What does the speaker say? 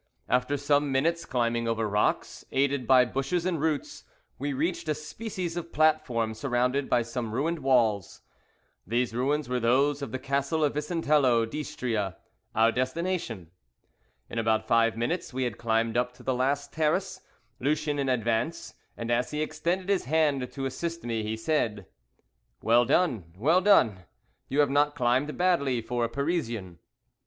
After some minutes' climbing over rocks, aided by bushes and roots, we reached a species of platform surmounted by some ruined walls. These ruins were those of the Castle of Vicentello d'Istria, our destination. In about five minutes we had climbed up to the last terrace, Lucien in advance, and as he extended his hand to assist me he said: "Well done, well done; you have not climbed badly for a Parisian."